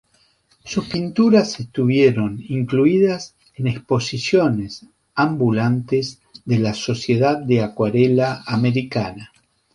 Sus pinturas estuvieron incluidas en exposiciones ambulantes de la Sociedad de Acuarela americana.